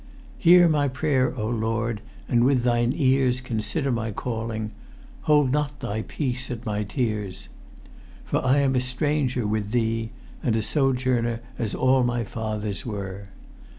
"Hear my prayer, O Lord, and with thine ears consider my calling: hold not thy peace at my tears. "For I am a stranger with thee: and a sojourner, as all my fathers were.